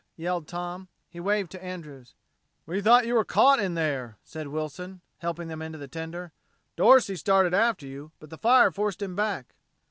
yelled Tom. He waved to Andrews. "We thought you were caught in there," said Wilson, helping them into the tender. "Dorsey started after you, but the fire forced him back."